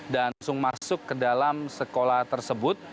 dan langsung masuk ke dalam sekolah tersebut